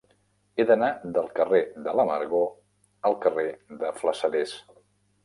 He d'anar del carrer de l'Amargor al carrer de Flassaders.